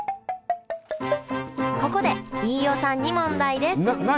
ここで飯尾さんに問題です何？